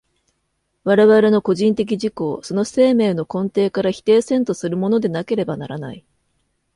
我々の個人的自己をその生命の根底から否定せんとするものでなければならない。